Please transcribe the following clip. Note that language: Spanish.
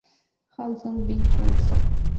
All songs by Frank Zappa.